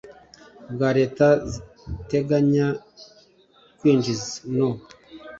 bwa leta ziteganya kwinjiza no